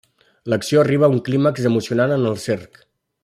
L'acció arriba a un clímax emocionant en el circ.